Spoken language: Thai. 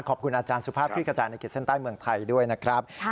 ขอบคุณอาจารย์สุภาพคลิกกระจายในขีดเส้นใต้เมืองไทยด้วยนะครับ